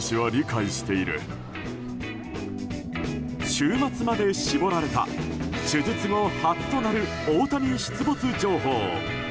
週末まで絞られた手術後初となる大谷出没情報。